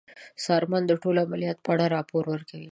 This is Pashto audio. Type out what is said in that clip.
څارمن د ټولو عملیاتو په اړه راپور ورکوي.